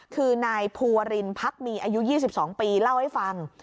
คือนายภูวรินพักมีอายุ๒๒ปีเล่าให้ฟัง